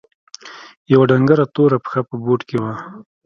يوه ډنګره توره پښه په بوټ کښې وه.